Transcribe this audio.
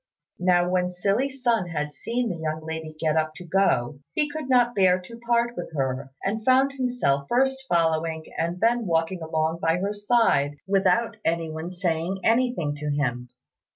Now when Silly Sun had seen the young lady get up to go, he could not bear to part with her, and found himself first following and then walking along by her side without anyone saying anything to him.